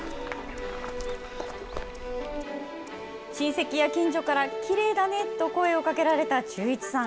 親戚や近所から、きれいだねと声をかけられた忠一さん。